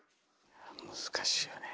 難しいよね。